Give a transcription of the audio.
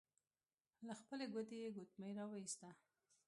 له خپلې ګوتې يې ګوتمۍ را وايسته.